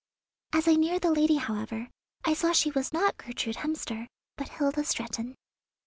As I neared the lady, however, I saw she was not Gertrude Hemster, but Hilda Stretton.